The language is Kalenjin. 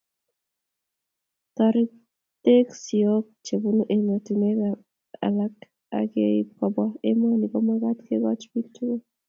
Toretosiek chebunu emotinwek alak ak keib kobwa emoni, komagat kekoch bik tugul